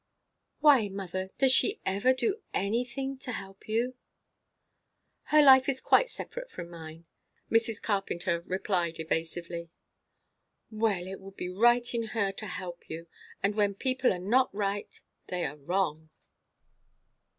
"Why, mother, does she ever do anything to help you?" "Her life is quite separate from mine," Mrs. Carpenter replied evasively. "Well, it would be right in her to help you. And when people are not right, they are wrong."